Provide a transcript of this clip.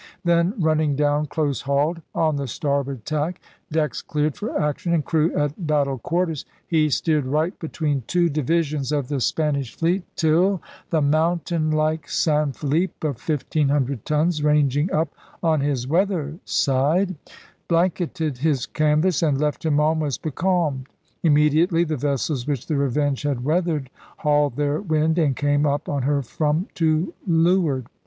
Then, running down close hauled on the starboard tack, decks cleared for action and crew at battle quarters, he steered right between two divisions of the Spanish fleet till *the mountain like San Felipe, of fifteen hundred tons,' ranging up on his weather side. 198 ELIZABETHAN SEA DOGS blanketed his canvas and left him almost becalmed. Immediately the vessels which the Revenge had weathered hauled their wind and came up on her from to leeward.